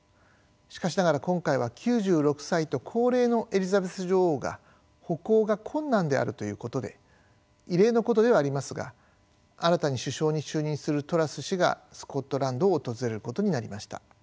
しかしながら今回は９６歳と高齢のエリザベス女王が歩行が困難であるということで異例のことではありますが新たに首相に就任するトラス氏がスコットランドを訪れることになりました。